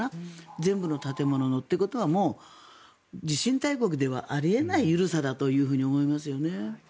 全部の建物の。ということは地震大国ではあり得ない緩さだと思いますね。